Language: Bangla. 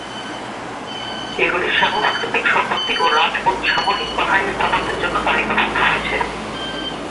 এগুলি সাংস্কৃতিক সম্পত্তি ও রাজপুত সামরিক পাহাড়ি স্থাপত্যের জন্য তালিকাভূক্ত হয়েছে।